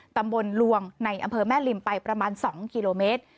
ตำบลลวงในอำเภอแม่ริมไปประมาณ๒กิโลเมตร